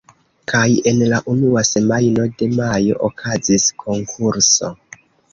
Kaj en la unua semajno de majo okazis konkurso.